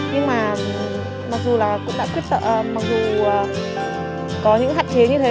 nhưng mà mặc dù là cũng đã quyết sợ mặc dù có những hạn chế như thế